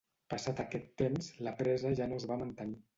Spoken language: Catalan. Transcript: Passat aquest temps, la presa ja no es va mantenir.